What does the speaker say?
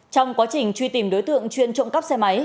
trong quá trình truy tìm đối tượng chuyên trộm cắp xe máy